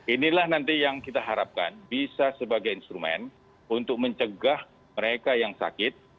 inilah nanti yang kita harapkan bisa sebagai instrumen untuk mencegah mereka yang sakit